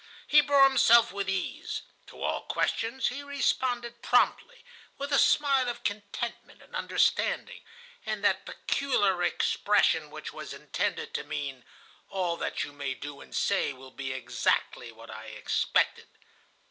He bore himself with ease. To all questions he responded promptly, with a smile of contentment and understanding, and that peculiar expression which was intended to mean: 'All that you may do and say will be exactly what I expected.